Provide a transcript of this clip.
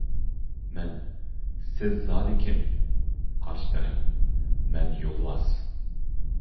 مەن: سىز زادى كىم؟ قارشى تەرەپ: مەن يولۋاس.